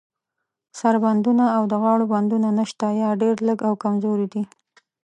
سر بندونه او د غاړو بندونه نشته، یا ډیر لږ او کمزوري دي.